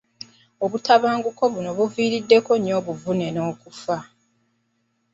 Obutabanguko buno buviirako nnyo obuvune n'okufa.